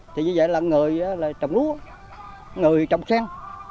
thì như vậy là người trồng lúa người trồng sen